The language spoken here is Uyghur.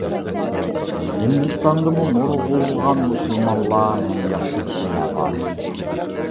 ھىندىستاندىمۇ نۇرغۇنلىغان مۇسۇلمانلار ھەم ياخشى كىشىلەر بار.